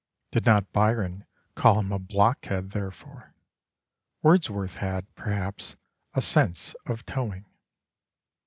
Did not Byron call him a blockhead therefor? Wordsworth had, perhaps, a sense of towing.